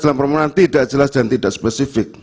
dalam permohonan tidak jelas dan tidak spesifik